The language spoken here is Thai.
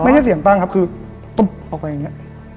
ไม่ใช่เสียงปั้งครับคือตุ๊บออกไปอย่างนี้